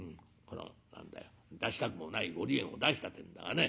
何だよ出したくもないご離縁を出したってえんだがね。